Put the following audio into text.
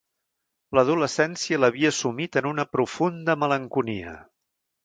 L'adolescència l'havia sumit en una profunda malenconia.